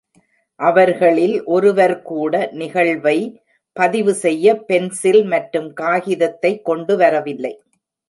அவர்களில் ஒருவர் கூட நிகழ்வை பதிவு செய்ய பென்சில் மற்றும் காகிதத்தை கொண்டு வரவில்லை.